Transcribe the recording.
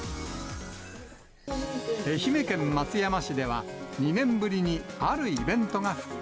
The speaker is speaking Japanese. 愛媛県松山市では、２年ぶりにあるイベントが復活。